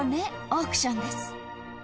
オークションです